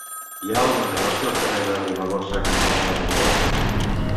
Hi ha algun negoci al carrer Ribagorça cantonada Ribagorça?